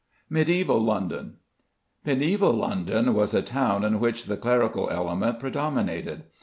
MEDIÆVAL LONDON. Mediæval London was a town in which the clerical element predominated.